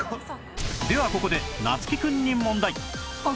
ではここで夏樹くんに問題